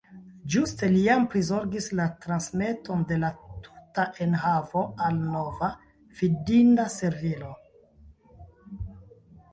Ĝuste li jam prizorgis la transmeton de la tuta enhavo al nova, findinda servilo.